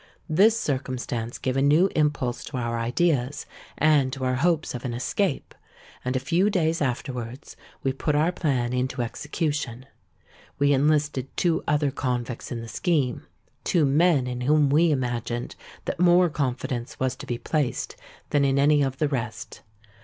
This circumstance gave a new impulse to our ideas, and to our hopes of an escape; and a few days afterwards, we put our plan into execution. We enlisted two other convicts in the scheme,—two men in whom we imagined that more confidence was to be placed than in any of the rest.